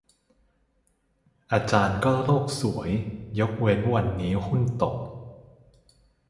อาจารย์ก็โลกสวย ยกเว้นวันนี้หุ้นตก